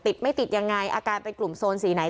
ไม่ติดยังไงอาการเป็นกลุ่มโซนสีไหน